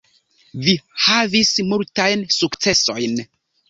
Vi havis multajn sukcesojn.